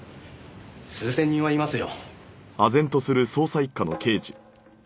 数千人はいますよ。